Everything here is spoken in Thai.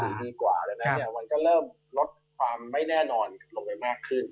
มันก็เริ่มลดความไม่แน่นอนลงไปมากขึ้น